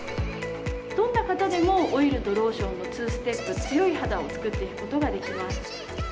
どんな方でも、オイルとローションの２ステップ、強い肌を作っていくことができま